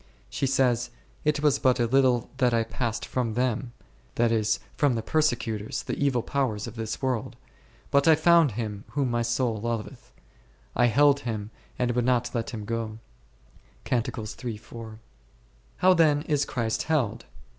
She says, It was bat a little that I passed from them (that is, from the persecutors, the evil powers of this world), but I found Him whom my soul loveth ; I held Him and would not let Him go k . How then is Christ held